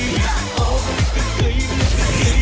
บอกแล้วไงให้กลับ